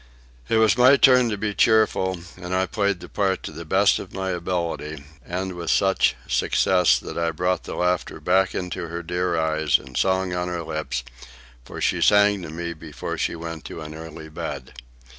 It was my turn to be cheerful, and I played the part to the best of my ability, and with such success that I brought the laughter back into her dear eyes and song on her lips; for she sang to me before she went to an early bed.